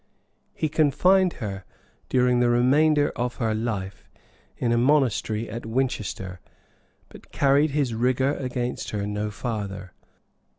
He confined her, during the remainder of her life, in a monastery at Winchester; but carried his rigor against her no farther.